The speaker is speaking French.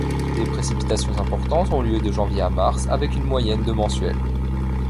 Des précipitations importantes ont lieu de janvier à mars, avec une moyenne de mensuels.